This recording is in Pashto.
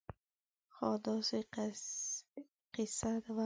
خاا داسې قیصه وه